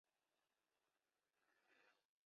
Dumas and Jervis share lead vocals.